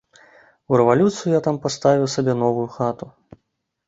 У рэвалюцыю я там паставіў сабе новую хату.